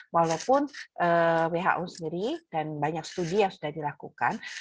walaupun who sendiri dan banyak studi yang sudah dilakukan